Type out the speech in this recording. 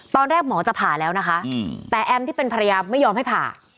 ตอนแรกหมอจะผ่าแล้วนะคะแต่แอมที่เป็นภรรยาไม่ยอมให้ผ่า